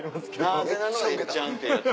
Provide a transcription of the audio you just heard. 「なぜなのエッちゃん」ってやつ。